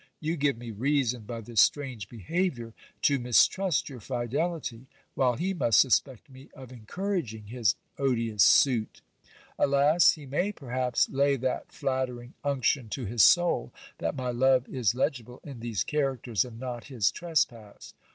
You give me reason, by this strange behaviour, to mistrust your fidelity, while he must suspect me of en couraging his odious suit. Alas ! he may, perhaps, lay that flattering unction to his soul, that my love is legible in these characters, and not his trespass.